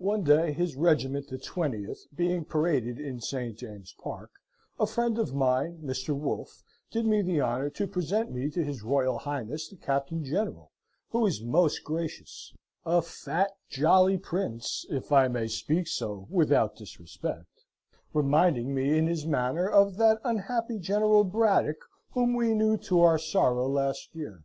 "One day, his regiment the 20th being paraded in St. James's Park, a friend of mine, Mr. Wolfe, did me the honour to present me to his Royal Highness the Captain General, who was most gracious; a fat, jolly Prince, if I may speak so without disrespect, reminding me in his manner of that unhappy General Braddock; whom we knew to our sorrow last year.